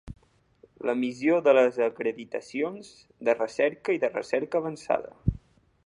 L'emissió de les acreditacions de recerca i de recerca avançada.